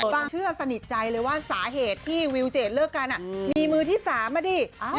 บางเชื่อสนิทใจเลยว่าสาเหตุที่วิวเจดเลิกกันมีมือที่๓อ่ะดิ